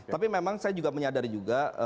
tapi memang saya juga menyadari juga